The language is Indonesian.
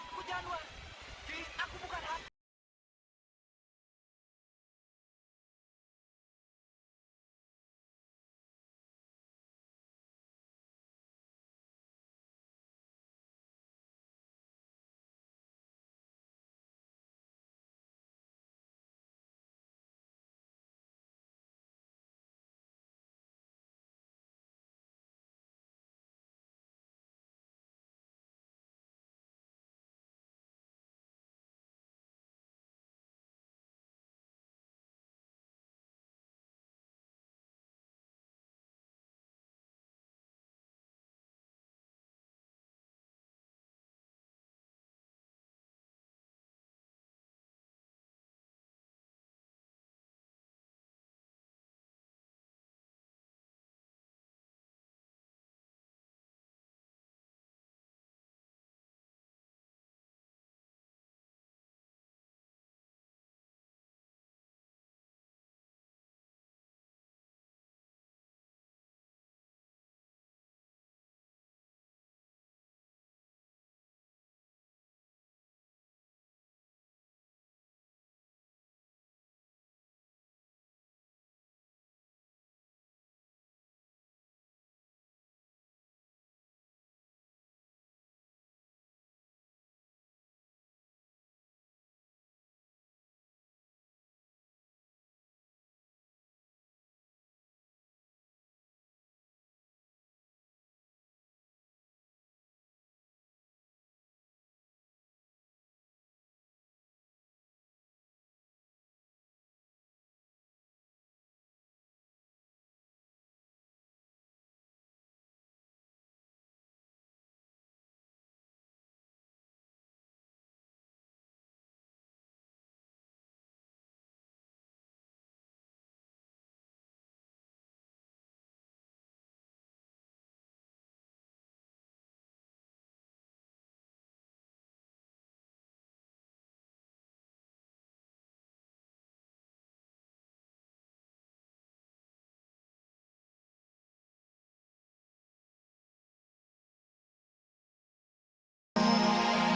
kamu tidak laf inter